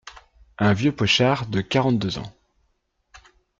Un vieux pochard de quarante-deux ans…